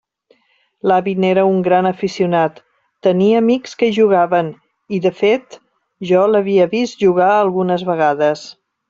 L'avi n'era un gran aficionat; tenia amics que hi jugaven i, de fet, jo l'havia vist jugar algunes vegades.